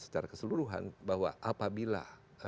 secara keseluruhan bahwa apabila